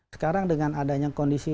sekarang dengan adanya kondisi